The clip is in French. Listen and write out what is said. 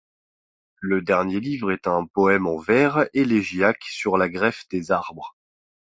Le dernier livre est un poème en vers élégiaques sur la greffe des arbres.